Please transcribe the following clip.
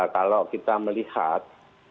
kalau kita melihat